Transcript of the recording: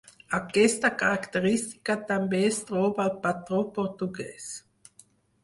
Aquesta característica també es troba al patró portuguès.